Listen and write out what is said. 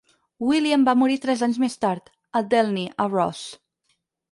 William va morir tres anys més tard, a Delny a Ross.